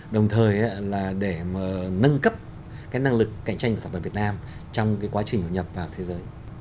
đồng thời là để nâng cấp năng lực cạnh tranh của sản phẩm việt nam trong cái quá trình nhập vào thế giới